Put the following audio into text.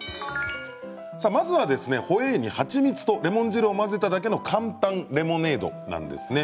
ホエーに蜂蜜とレモン汁を混ぜただけの簡単レモネードなんですね。